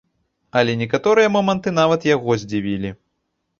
Але некаторыя моманты нават яго здзівілі.